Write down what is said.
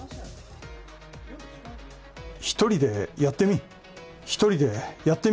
１人でやってみん？